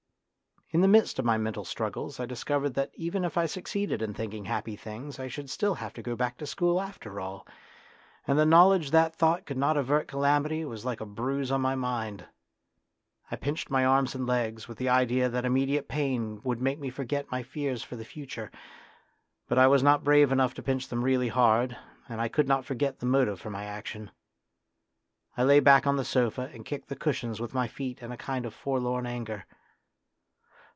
In the midst of my mental struggles I discovered that even if I suc ceeded in thinking happy things 1 should still have to go back to school after all, and the knowledge that thought could not avert calamity was like a bruise on my mind. I pinched my arms and legs, with the idea that immediate pain would make me forget my fears for the future ; but I was not brave enough to pinch them really hard, and I could not forget the motive for my action. I lay back on the sofa arid kicked the cushions with my feet in a kind of forlorn anger.